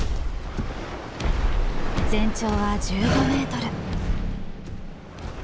全長は１５ｍ。